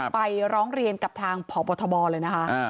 ไปร้องเรียนกับทางพบทบเลยนะคะ